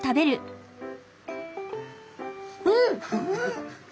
うん！